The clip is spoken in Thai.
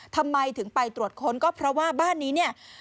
ทำไมถึงไปตรวจค้นก็เพราะว่าบ้านนี้เนี่ย